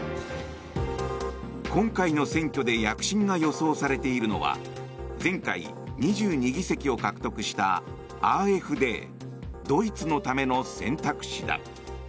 今回の選挙で躍進が予想されているのは前回２２議席を獲得したＡｆＤ・ドイツのための選択肢だ。